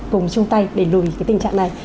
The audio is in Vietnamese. cùng chung tay để lùi cái tình trạng này